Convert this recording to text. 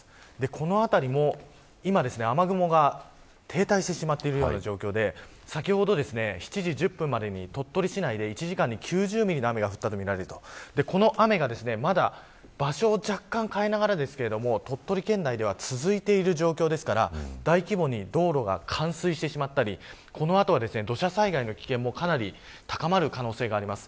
この辺りも今、雨雲が停滞してしまっているような状況で先ほど７時１０分までに鳥取市内で１時間に９０ミリの雨が降ったとみられるとこの雨がまだ場所を若干変えながらですけれども鳥取県内では続いている状況ですから大規模に道路が冠水してしまったりこの後、土砂災害の危険もかなり高まる可能性があります。